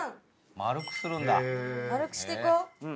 丸くしていこう！